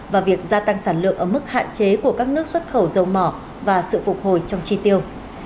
và việc gia tăng sản lượng ở mức hạn chế của các nước xuất khẩu dầu mỏ và sự phục hồi trong chi tiêu